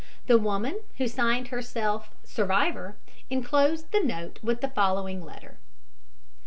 The woman, who signed herself "Survivor," inclosed the note with the following letter.